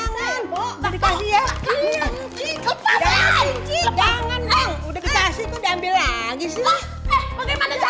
jangan jangan jangan